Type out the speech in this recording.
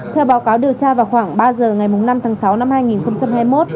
theo báo cáo điều tra vào khoảng ba giờ ngày năm tháng sáu năm hai nghìn hai mươi một